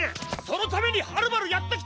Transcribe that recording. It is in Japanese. そのためにはるばるやってきたんだ！